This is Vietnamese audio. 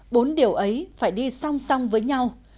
bốn điều ấy phải đi song song với nhau